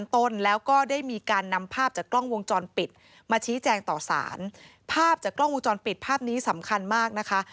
แต่กล้องมูลจรปิดภาพนี้สำคัญมากนะคะ